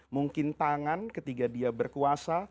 mungkin tangan ketika dia berkuasa